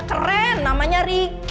keren namanya ricky